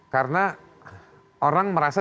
karena orang merasa